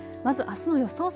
まずあすの予想